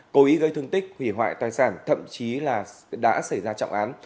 cố ý gây thương tích hủy hoại tài sản thậm chí là đã xảy ra trọng án